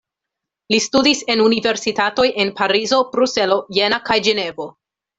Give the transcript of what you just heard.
Li studis en universitatoj en Parizo, Bruselo, Jena kaj Ĝenevo.